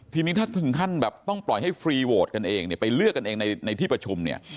ทีนี้ถ้าถึงขั้นแบบต้องปล่อยให้ฟรีโหวตกันเองเนี่ยไปเลือกกันเองในที่ประชุมเนี่ย